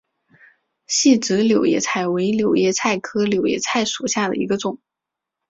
细籽柳叶菜为柳叶菜科柳叶菜属下的一个种。